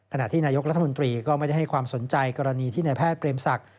ขณะที่นายกรัฐมนตรีก็ไม่ได้ให้ความสนใจกรณีที่นายแพทย์เปรมศักดิ